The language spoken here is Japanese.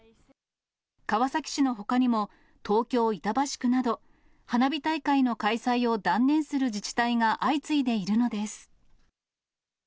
川崎市のほかにも、東京・板橋区など、花火大会の開催を断念する自治体が相次いでいるのです。